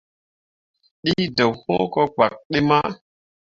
Ɗii deɓ hũũ ko kpak ɗi mah.